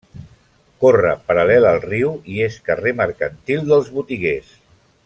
Corre paral·lel al riu i és carrer mercantil dels botiguers.